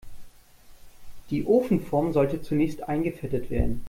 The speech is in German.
Die Ofenform sollte zunächst eingefettet werden.